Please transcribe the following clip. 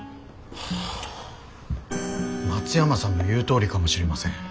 松山さんの言うとおりかもしれません。